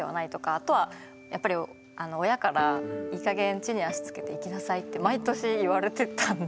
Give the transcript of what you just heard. あとはやっぱり親からいいかげん地に足つけていきなさいって毎年言われてたんで。